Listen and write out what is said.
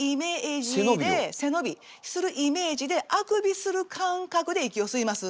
背伸びするイメージであくびする感覚で息を吸います。